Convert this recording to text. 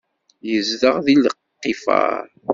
Yezdeɣ deg lqifar.